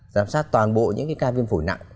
giám sát toàn bộ những cái ca viêm phổi nặng